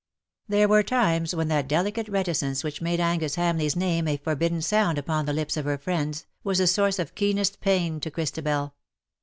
There were times when that delicate reticence which made Angus HamleigVs name a forbidden sound upon the lips of her friends, was a source of keenest pain to Christabel.